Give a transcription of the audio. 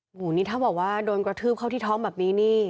โอ้โหนี่ถ้าบอกว่าโดนกระทืบเข้าที่ท้องแบบนี้นี่